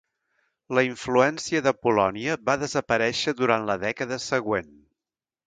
La influència de Polònia va desaparèixer durant la dècada següent.